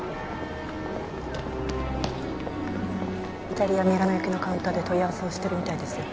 イタリアミラノ行きのカウンターで問い合わせをしてるみたいですよ。